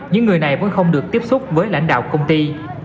những người này vẫn không được tiếp xúc với lãnh đạo công ty